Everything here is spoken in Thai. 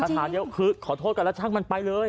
ขาเดียวคือขอโทษกันแล้วช่างมันไปเลย